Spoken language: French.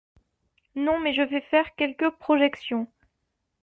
Non, mais je vais faire quelques projections.